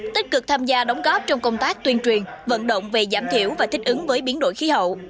tích cực tham gia đóng góp trong công tác tuyên truyền vận động về giảm thiểu và thích ứng với biến đổi khí hậu